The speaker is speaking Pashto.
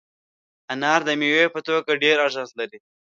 انار د میوې په توګه ډېر ارزښت لري.